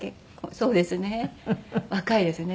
そうですね。